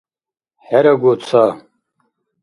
ХӀерагу ца!..